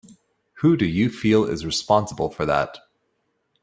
Who do you feel is responsible for that?